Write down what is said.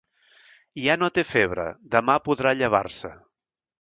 Ja no té febre: demà podrà llevar-se.